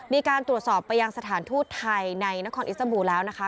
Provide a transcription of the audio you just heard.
มีการตรวจสอบไปยังสถานทูตไทยในนครอิสตาบูแล้วนะคะ